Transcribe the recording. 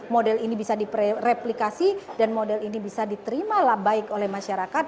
model ini bisa direplikasi dan model ini bisa diterimalah baik oleh masyarakat